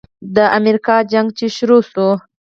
د امريکې جنگ چې شروع سو.